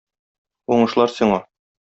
Уңышлар сиңа!